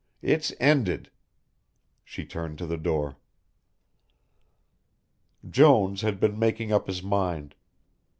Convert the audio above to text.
It's ended." She turned to the door. Jones had been making up his mind.